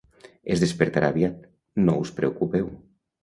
Es despertarà aviat, no us preocupeu.